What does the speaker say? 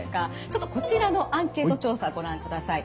ちょっとこちらのアンケート調査ご覧ください。